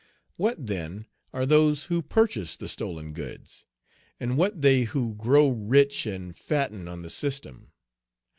What, then, are those who purchase the stolen goods? And what they who grow rich and fatten on the system?